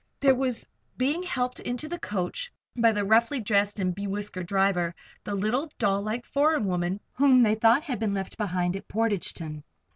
There was being helped into the coach by the roughly dressed and bewhiskered driver, the little, doll like, foreign woman whom they thought had been left behind at Portageton.